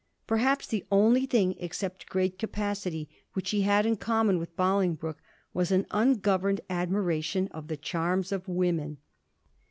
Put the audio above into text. Perhaps the only thing, except great capacity, which he had in common with Bolingbroke was an un govemed admiration of the charms of women.